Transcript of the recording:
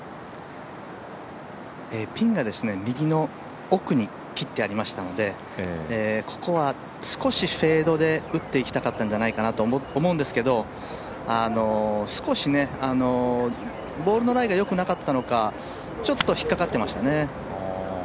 ピンが右の奥に切ってありましたのでここは少しフェードで打っていきたかったんじゃないかと思うんですけど、少しボールのライがよくなかったのか、ちょっと引っかかってましたね。